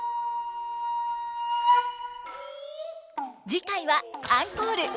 次回はアンコール。